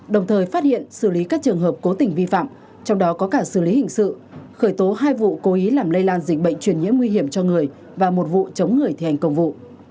đồng thời phát hiện xử lý các trường hợp cố tình vi phạm trong đó có cả xử lý hình sự khởi tố hai vụ cố ý làm lây lan dịch bệnh truyền nhiễm nguy hiểm cho người và một vụ chống người thi hành công vụ